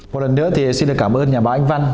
một lần nữa thì xin được cảm ơn nhà báo anh văn